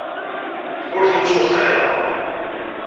Ur ten-ttwexxireɣ.